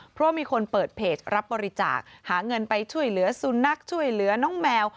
เพราะมีคนเปิดเพจรับบริจาคหาเงินไปช่วยเหลือสุนัขช่วยเหลือน้องแมว